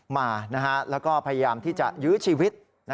มาแล้วก็พยายามที่จะยื้อชีวิต